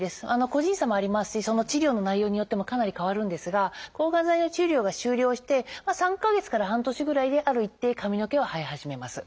個人差もありますしその治療の内容によってもかなり変わるんですが抗がん剤の治療が終了して３か月から半年ぐらいである一定髪の毛は生え始めます。